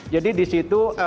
jadi di situ